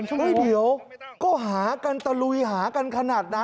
เฮ้ยเดี๋ยวก็หากันตะลุยหากันขนาดนั้น